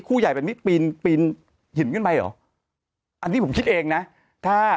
คู่ใหญ่แบบนี้ปีนปีนหินขึ้นไปหรออันนี้ผมคิดเองนะถ้า